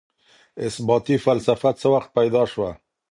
اثباتي فلسفه څه وخت پيدا سوه؟